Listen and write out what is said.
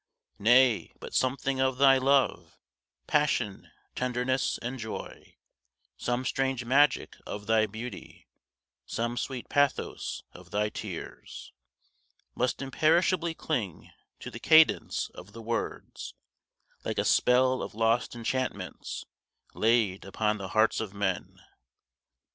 20 Nay, but something of thy love, Passion, tenderness, and joy, Some strange magic of thy beauty, Some sweet pathos of thy tears, Must imperishably cling 25 To the cadence of the words, Like a spell of lost enchantments Laid upon the hearts of men.